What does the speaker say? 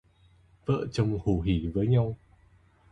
Vợ chồng hủ hỉ với nhau